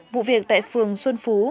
vụ việc tại phường xuân phú